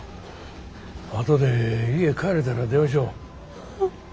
あとで家帰れたら電話しよう。